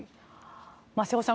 瀬尾さん